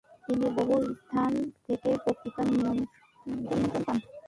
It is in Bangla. তিনি বহু স্থান থেকে বক্তৃতার নিমন্ত্রণ পান।